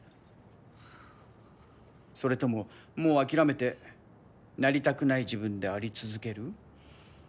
それとももう諦めてなりたくない自分であり続ける？